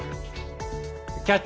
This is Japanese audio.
「キャッチ！